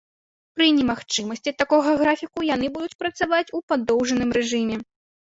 Пры немагчымасці такога графіку яны будуць працаваць у падоўжаным рэжыме.